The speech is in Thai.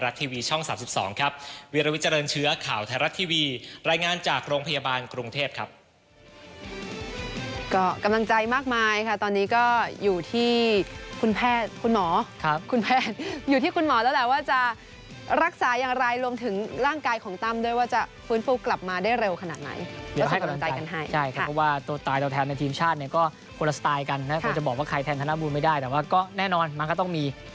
โดยจะบอกว่าใครแทนธนบูรณ์ไม่ได้แต่ว่าก็แน่นอนมันก็ต้องมี